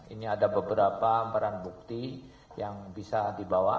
ini ada beberapa barang bukti yang bisa dibawa